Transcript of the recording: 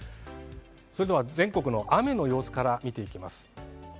それでは全国の雨の様子から見ていきます。